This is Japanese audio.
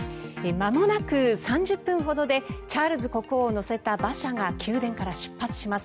まもなく３０分ほどでチャールズ国王を乗せた馬車が宮殿から出発します。